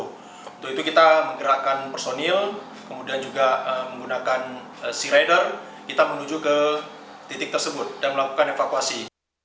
waktu itu kita menggerakkan personil kemudian juga menggunakan sea rider kita menuju ke titik tersebut dan melakukan evakuasi